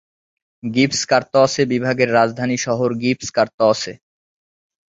গ্ঝিস-কা-র্ত্সে বিভাগের রাজধানী শহর গ্ঝিস-কা-র্ত্সে।